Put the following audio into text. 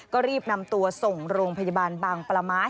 ก็รีบนำตัวส่งโรงพยาบาลบางประม้า